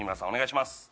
お願いします